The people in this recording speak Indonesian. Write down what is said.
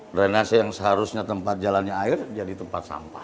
drainase yang seharusnya tempat jalannya air jadi tempat sampah